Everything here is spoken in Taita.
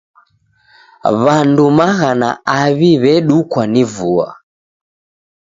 W'andu maghana aw'I w'edukwa ni vua.